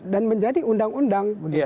dan menjadi undang undang